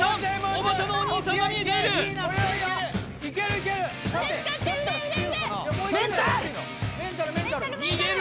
おばたのお兄さんが見えている逃げる